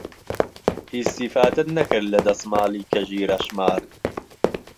ئیستیفادەت نهکرد له دهسمالی کەژی رهشمار